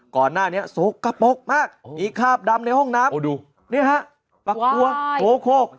ก่อนหน้านี้สกปกมากมีคาบดำในห้องน้ำโอ้ดูเนี้ยฮะปักลัวโคโครก